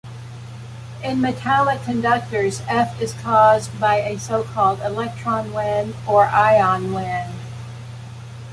In metallic conductors "F" is caused by a so-called "electron wind" or "Ion wind".